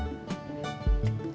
sampai jumpa lagi